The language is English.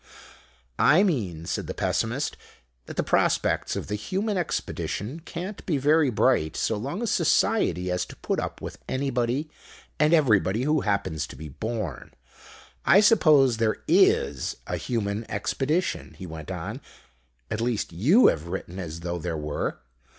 "I mean," said the Pessimist, "that the prospects of the Human Expedition can't be very bright so long as Society has to put up with anybody and everybody who happens to be born. I suppose there is a Human Expedition," he went on. "At least, you have written as though there were.